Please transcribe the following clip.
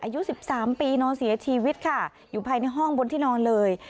อายุ๑๓ปีนอนเสียชีวิตค่ะอยู่ภายในห้องบนที่นอนเลย